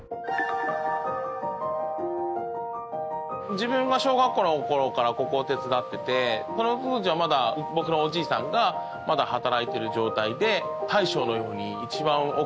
自分が小学校の頃からここを手伝っていてその当時はまだ僕のおじいさんがまだ働いてる状態で。